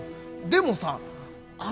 でもさあ